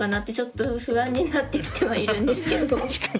確かに。